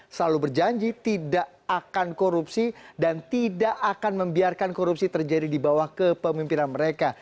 selalu berjanji tidak akan korupsi dan tidak akan membiarkan korupsi terjadi di bawah kepemimpinan mereka